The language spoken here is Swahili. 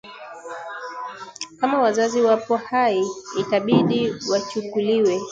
kama wazazi wapo hai itabidi wachukuliwe